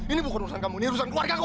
ini bukan urusan kamu ini urusan keluargaku